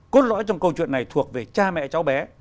cốt lõi trong câu chuyện này thuộc về cha mẹ cháu bé